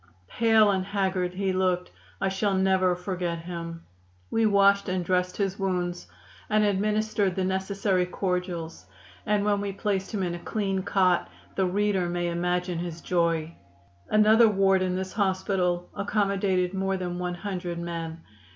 Pale and haggard he looked. I shall never forget him. We washed and dressed his wounds and administered the necessary cordials, and when we placed him in a clean cot the reader may imagine his joy. "Another ward in this hospital accommodated more than one hundred men.